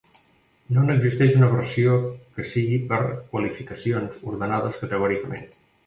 No n'existeix una versió que sigui per qualificacions ordenades categòricament.